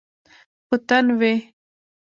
په تن وی